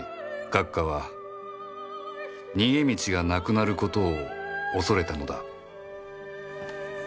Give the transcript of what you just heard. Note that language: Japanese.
閣下は逃げ道がなくなることを恐れたのだ